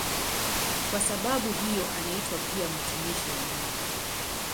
Kwa sababu hiyo anaitwa pia "mtumishi wa Mungu".